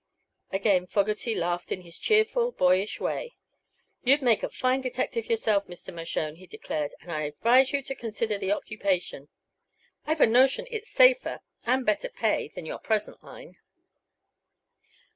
Again Fogerty laughed in his cheerful, boyish way. "You'd make a fine detective yourself, Mr. Mershone," he declared, "and I advise you to consider the occupation. I've a notion it's safer, and better pay, than your present line."